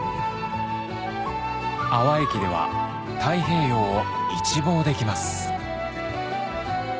安和駅では太平洋を一望できます